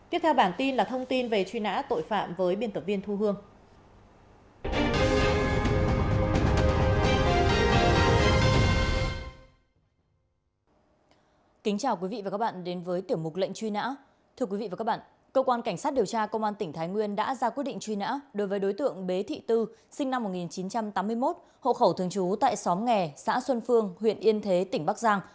tiếp theo bản tin là thông tin về truy nã tội phạm với biên tập viên thu hương